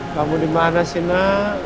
kamu dimana si na